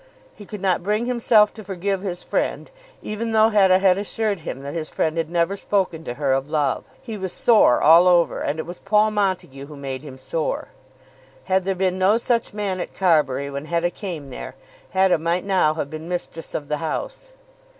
He could not bring himself to forgive his friend, even though Hetta had assured him that his friend had never spoken to her of love. He was sore all over, and it was Paul Montague who made him sore. Had there been no such man at Carbury when Hetta came there, Hetta might now have been mistress of the house.